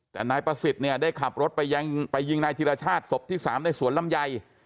แต่นายประสิทธิ์เนี่ยได้ขับรถไปยิงนายธิรชาติศพที่๓ในสวนลำไย